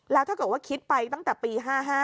แล้วถ้าเกิดว่าคิดไปตั้งแต่ปี๕๕